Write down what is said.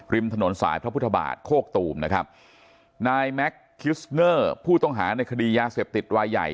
ริมถนนสายพระพุทธบาทโคกตูมนะครับนายแม็กซ์คิสเนอร์ผู้ต้องหาในคดียาเสพติดวายใหญ่